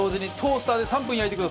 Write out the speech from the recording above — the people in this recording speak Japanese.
トースターではい。